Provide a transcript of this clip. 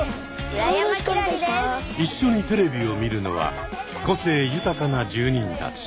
一緒にテレビを見るのは個性豊かな住人たち。